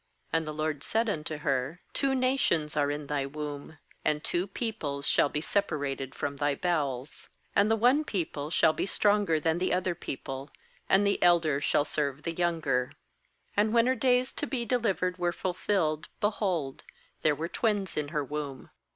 ^And the LORD said unto her: Two nations are in thy womb, And two peoples shall be separated from thy bowels; And the one people shall be stronger than the other people; And the elder shall serve the young er. MAnd when her days to be delivered were fulfilled, behold, there were twins in her womb.